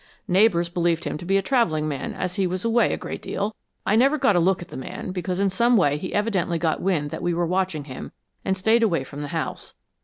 Neighbors believed him to be a traveling man as he was away a great deal. I never got a look at the man, because in some way he evidently got wind that we were watching him and stayed away from the house.